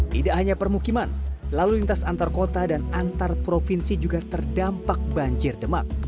tidak hanya permukiman lalu lintas antar kota dan antar provinsi juga terdampak banjir demak